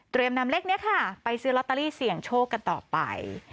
นำเลขนี้ค่ะไปซื้อลอตเตอรี่เสี่ยงโชคกันต่อไป